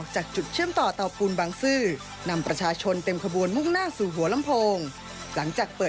ใช้เวลาเพียงสองนาที